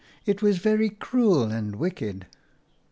It was very cruel and wicked."